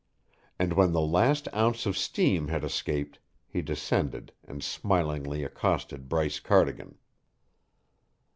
And when the last ounce of steam had escaped, he descended and smilingly accosted Bryce Cardigan.